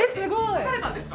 描かれたんですか？